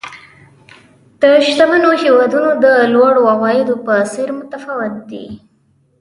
د شتمنو هېوادونو د لوړو عوایدو په څېر متفاوت دي.